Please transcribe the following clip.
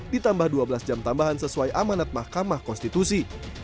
ditambah dua belas jam tambahan sesuai amanat mahkamah konstitusi